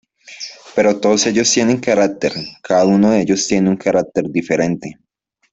Pero todos ellos tienen carácter, cada uno de ellos tiene un carácter diferente".